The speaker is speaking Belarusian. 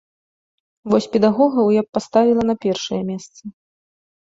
Вось педагогаў я б паставіла на першае месца.